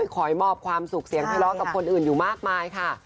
คอยมอบความสุขเสียงทะเลาะกับคนอื่นอยู่มากมายค่ะ